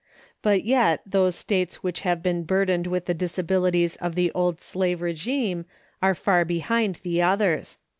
But yet those States which have been burdened with the disabilities of the old slave régime are far behind the others.